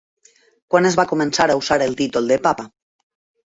Quan es va començar a usar el títol de papa?